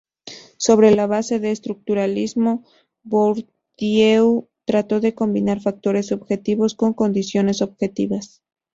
Sobre la base del estructuralismo, Bourdieu trató de combinar factores subjetivos con condiciones objetivas.